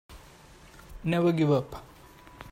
Never give up.